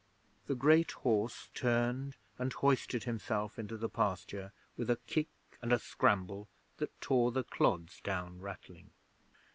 The great horse turned and hoisted himself into the pasture with a kick and a scramble that tore the clods down rattling.